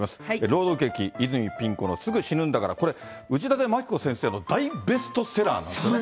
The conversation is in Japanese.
朗読劇、泉ピン子のすぐ死ぬんだから、これ、内館牧子先生の大ベストセラーなんですね。